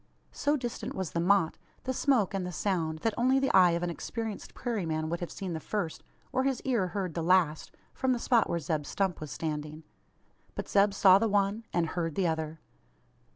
So distant was the "motte," the smoke, and the sound, that only the eye of an experienced prairie man would have seen the first, or his ear heard the last, from the spot where Zeb Stump was standing. But Zeb saw the one, and heard the other.